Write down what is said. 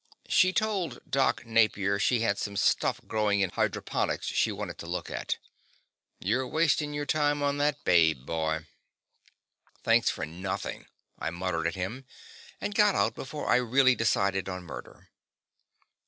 "She told Doc Napier she had some stuff growing in hydroponics she wanted to look at. You're wasting your time on that babe, boy!" "Thanks for nothing," I muttered at him, and got out before I really decided on murder.